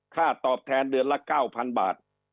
ค่าตอบแทนเดือนละ๙๐๐บาท